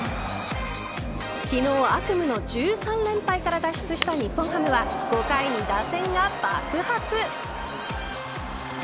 昨日、悪夢の１３連敗から脱出した日本ハムは５回に打線が爆発。